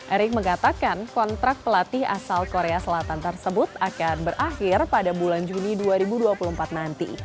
erick mengatakan kontrak pelatih asal korea selatan tersebut akan berakhir pada bulan juni dua ribu dua puluh empat nanti